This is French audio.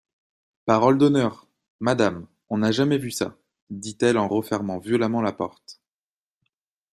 Parole d'honneur ! madame, on n'a jamais vu ça ! dit-elle en refermant violemment la porte.